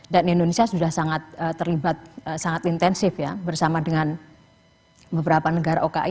dan indonesia sudah sangat terlibat sangat intensif ya bersama dengan beberapa negara oki